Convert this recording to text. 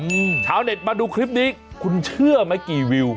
ชาวเน็ตมาดูคลิปนี้คุณเชื่อไหมกี่วิว